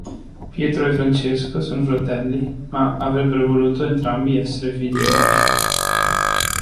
Pietro e Francesco sono fratelli, ma avrebbero voluto entrambi essere figli unici.